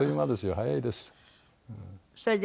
早いです。